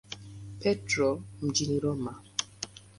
Petro mjini Roma.